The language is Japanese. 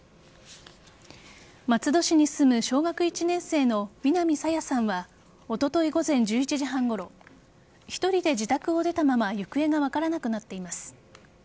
松戸市に住む小学１年生の南朝芽さんはおととい午前１１時半ごろ１人で自宅を出たまま行方が分からなくなっています。